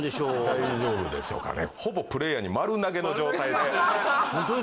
大丈夫でしょうかね？